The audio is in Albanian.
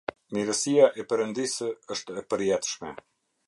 Mirësia e Perëndisë është e përjetshme.